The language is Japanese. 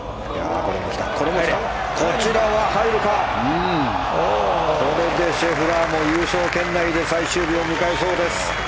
これでシェフラーも優勝圏内で最終日を迎えそうです。